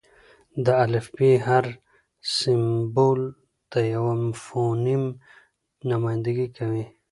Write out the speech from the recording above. د الفبې: هر سېمبول د یوه فونیم نمایندګي کوي.